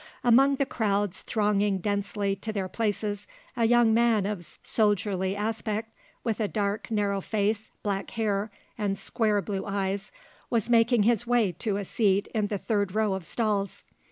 '" Among the crowds thronging densely to their places, a young man of soldierly aspect, with a dark, narrow face, black hair and square blue eyes, was making his way to a seat in the third row of stalls.